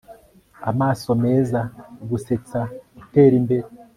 amaso meza, gusetsa, gutera imbere